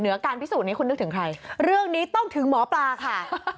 การพิสูจนนี้คุณนึกถึงใครเรื่องนี้ต้องถึงหมอปลาค่ะ